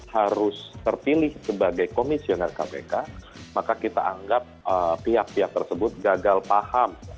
harus terpilih sebagai komisioner kpk maka kita anggap pihak pihak tersebut gagal paham